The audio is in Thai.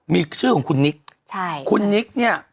มีชื่อของคุณนิกใช่คุณนิกเนี่ย